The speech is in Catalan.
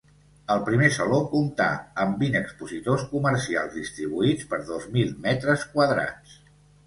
El primer Saló comptà amb vint expositors comercials distribuïts per dos mil metres quadrats.